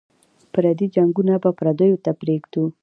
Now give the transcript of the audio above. پردي جنګونه به پردیو ته پرېږدو.